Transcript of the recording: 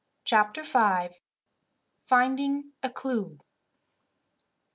Chapter 5: Finding A Clue.